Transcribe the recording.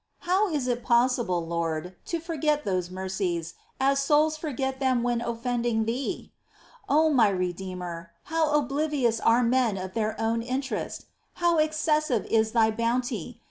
How is it possible. Lord, to forget those mercies, as souls forget them when offending Thee ? 2. O my Redeemer, how oblivious are men of their own interest ! How excessive is Thy bounty